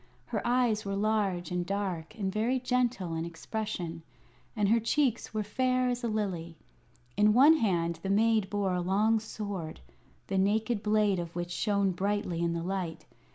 Her eyes were large and dark and very gentle in expression, and her cheeks were fair as a lily. In one hand the maid bore a long sword, the naked blade of which shone brightly in the light.